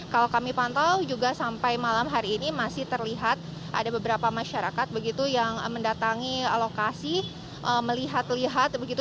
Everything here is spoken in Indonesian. kalau kami pantau juga sampai malam hari ini masih terlihat ada beberapa masyarakat begitu yang mendatangi lokasi melihat lihat begitu